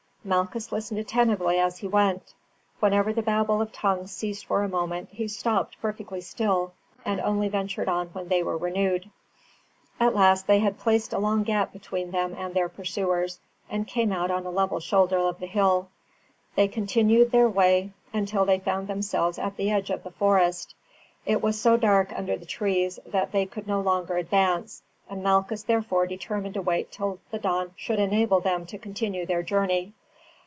Malchus listened attentively as he went. Whenever the babel of tongues ceased for a moment he stopped perfectly still, and only ventured on when they were renewed. At last they had placed a long gap between them and their pursuers, and came out on a level shoulder of the hill. They continued their way until they found themselves at the edge of the forest. It was so dark under the trees that they could no longer advance, and Malchus therefore determined to wait till the dawn should enable them to continue their journey.